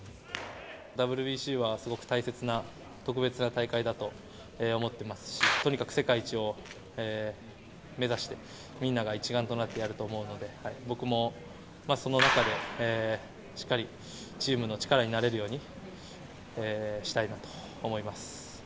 ＷＢＣはすごく大切な、特別な大会だと思ってますし、とにかく世界一を目指して、みんなが一丸となってやると思うので、僕もその中で、しっかりチームの力になれるようにしたいなと思います。